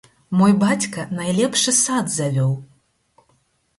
Мой бацька найлепшы сад завёў!